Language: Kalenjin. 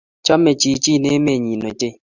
Chame chichin emenyi ochei